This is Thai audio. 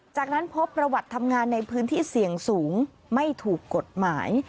จากนั้นพบประวัติทำงานในพื้นที่เสี่ยงสูงไม่ถูกกฎหมาย